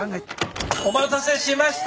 お待たせしました。